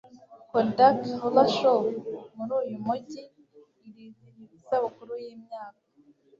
Kodak Hula Show muri uyu mujyi irizihiza isabukuru yimyaka